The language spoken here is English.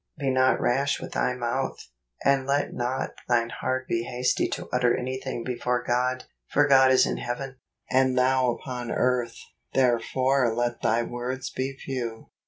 " Be not rash with thy mouth, and let not thine heart be hasty to utter anything before God: for God is in heaven, and thou upon earth: therefore let thy words be few."